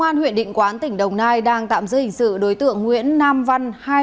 công an huyện định quán tỉnh đồng nai đang tạm giữ hình sự đối tượng nguyễn nam văn